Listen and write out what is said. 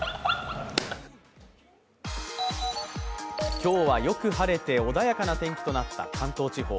今日はよく晴れて穏やかな天気となった関東地方。